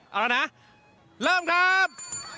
เอาแล้วนะเริ่มครับ